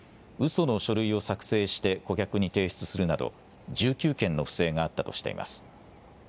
その書類を作成して顧客に提出するなど１９件の不正があったとしています。